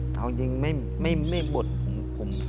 แต่จริงไม่บ่น